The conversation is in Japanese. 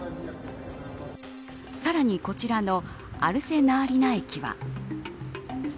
さらにこちらのアルセナーリナ駅は。